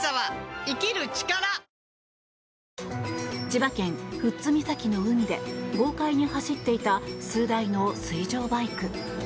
千葉県富津岬の海で豪快に走っていた数台の水上バイク。